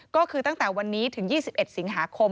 ก็คือตั้งแต่วันนี้ถึง๒๑สิงหาคม